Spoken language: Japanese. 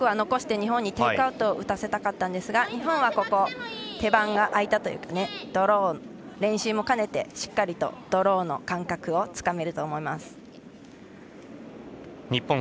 中国は残して日本にテイクアウトを打たせたかったんですが日本は手番があいたというか練習もかねてしっかりとドローの感覚をつかめると思います。